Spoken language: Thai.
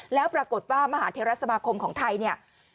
แล้วปรากฏว่ามหาโทรศมาคมของไทย